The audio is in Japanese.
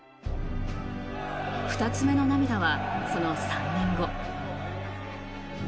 ２つ目の涙は、その３年後。